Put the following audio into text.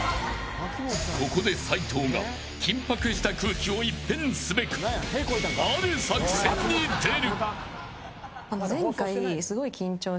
ここで齊藤が緊迫した空気を一変すべくある作戦に出る。